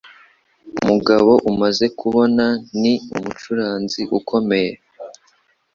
Umugabo umaze kubona ni umucuranzi ukomeye.